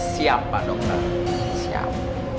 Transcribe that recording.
siap pak dokter siap